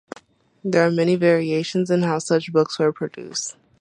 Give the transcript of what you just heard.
There are many variations in how such books were produced.